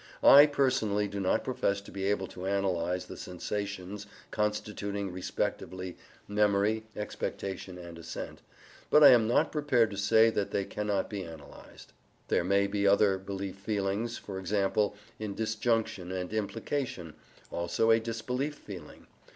I, personally, do not profess to be able to analyse the sensations constituting respectively memory, expectation and assent; but I am not prepared to say that they cannot be analysed. There may be other belief feelings, for example in disjunction and implication; also a disbelief feeling.